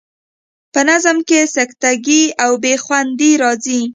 په نظم کې سکته ګي او بې خوندي راځي.